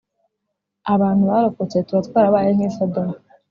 abantu barokotse, tuba twarabaye nk’i Sodomu